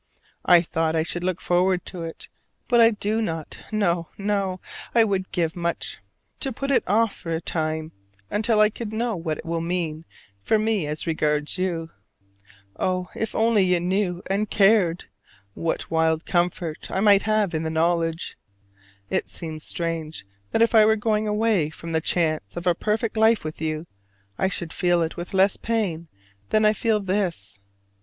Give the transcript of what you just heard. I thought I should look forward to it, but I do not; no, no, I would give much to put it off for a time, until I could know what it will mean for me as regards you. Oh, if you only knew and cared, what wild comfort I might have in the knowledge! It seems strange that if I were going away from the chance of a perfect life with you I should feel it with less pain than I feel this.